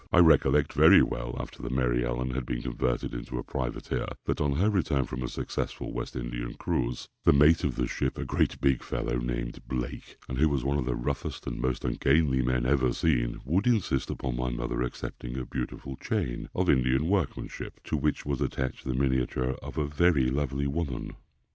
I recollect very well, after the Mary Ellen had been converted into a privateer, that, on her return from a successful West Indian cruise, the mate of the ship, a great big fellow, named Blake, and who was one of the roughest and most ungainly men ever seen, would insist upon my mother accepting a beautiful chain, of Indian workmanship, to which was attached the miniature of a very lovely woman.